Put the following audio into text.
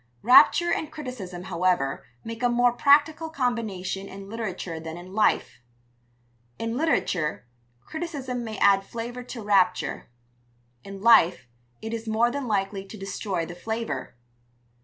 Rapture and criticism, however, make a more practical combination in literature than in life. In literature, criticism may add flavour to rapture; in life it is more than likely to destroy the flavour.